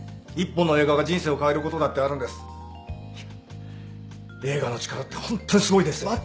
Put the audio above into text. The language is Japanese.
１本の映画が人生を変えることだってあるんです。